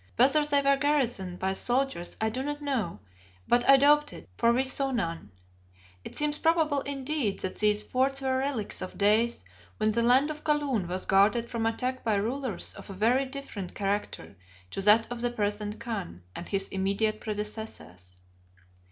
Whether they were garrisoned by soldiers I do not know, but I doubt it, for we saw none. It seems probable indeed that these forts were relics of days when the land of Kaloon was guarded from attack by rulers of a very different character to that of the present Khan and his immediate predecessors.